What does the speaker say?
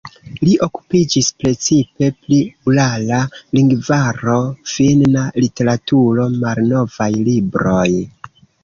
Li okupiĝis precipe pri urala lingvaro, finna literaturo, malnovaj libroj.